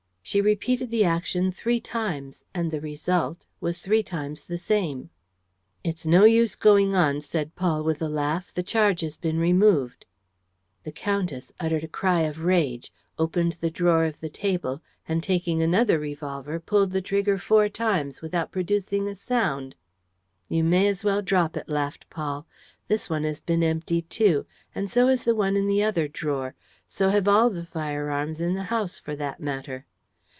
She repeated the action three times; and the result, was three times the same. "It's no use going on," said Paul, with a laugh. "The charge has been removed." The countess uttered a cry of rage, opened the drawer of the table and, taking another revolver, pulled the trigger four times, without producing a sound. "You may as well drop it," laughed Paul. "This one has been emptied, too; and so has the one in the other drawer: so have all the firearms in the house, for that matter."